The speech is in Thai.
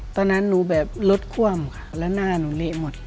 ตอนนั้นหนูแบบรถคว่ำค่ะแล้วหน้าหนูเละหมด